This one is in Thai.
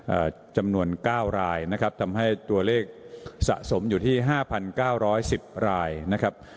จำนวนเก้ารายนะครับทำให้ตัวเลขสะสมอยู่ที่ห้าพันเก้าร้อยสิบรายนะครับ